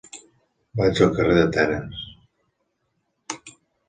Vaig al carrer d'Atenes.